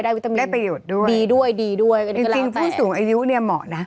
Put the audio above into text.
วิตามินได้ประโยชน์ด้วยดีด้วยดีด้วยจริงผู้สูงอายุเนี่ยเหมาะนะ